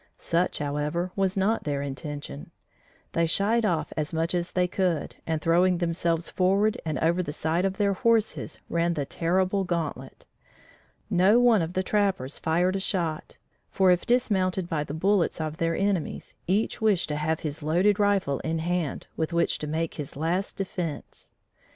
Such, however, was not their intention: they shied off as much as they could, and, throwing themselves forward and over the side of their horses, ran the terrible gauntlet. No one of the trappers fired a shot, for if dismounted by the bullets of their enemies, each wished to have his loaded rifle in hand, with which to make his last defense.